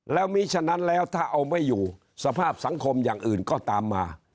แล้วมีฉะนั้นแล้วถ้าเอาไม่อยู่สภาพสังคมอย่างอื่นก็ตามมา